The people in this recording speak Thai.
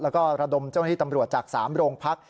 แล้วก็ระดมเจ้าหน้าที่ตำรวจจาก๓โรงพัก